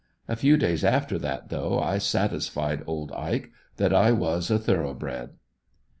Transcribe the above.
A few days after that though, I satisfied old Ike that I was a thoroughbred.